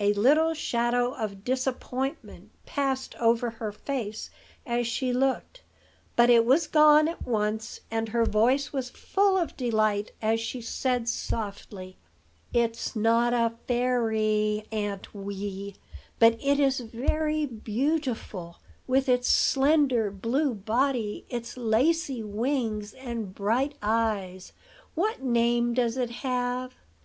A little shadow of disappointment passed over her face as she looked; but it was gone at once, and her voice was full of delight as she said softly: "It's not a fairy, Aunt Wee; but it is very beautiful, with its slender blue body, its lacy wings, and bright eyes. What name does it have?"